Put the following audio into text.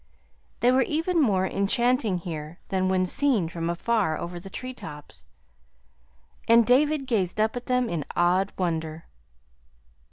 They were even more enchanting here than when seen from afar over the tree tops, and David gazed up at them in awed wonder.